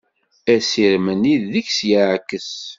Assirem-nni deg-s yeɛkes.